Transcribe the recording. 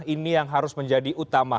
ini yang harus menjadi utama